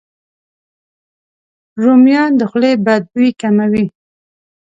رومیان د خولې بد بوی کموي.